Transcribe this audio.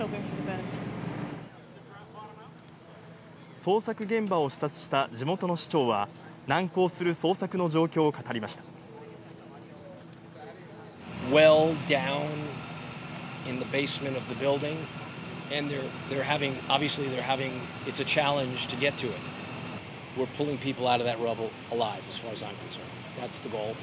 捜索現場を視察した地元の市長は、難航する捜索の状況を語りました。